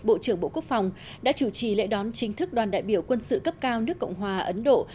bộ trưởng bộ quốc phòng đã chủ trì lễ đón chính thức đoàn đại biểu quân sự cấp cao nước cộng hòa ấn độ